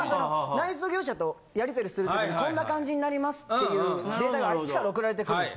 内装業者とやりとりする時にこんな感じになりますっていうデータがあっちから送られてくるんです。